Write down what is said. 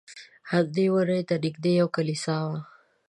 همدې ونې ته نږدې یوه کلیسا وه.